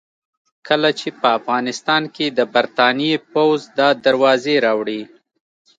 کله چې په افغانستان کې د برتانیې پوځ دا دروازې راوړې.